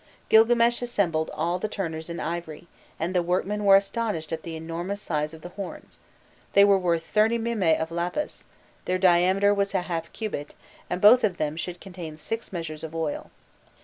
Gilgames assembled all the turners in ivory, and the workmen were astonished at the enormous size of the horns; they were worth thirty mimae of lapis, their diameter was a half cubit, and both of them could contain six measures of oil."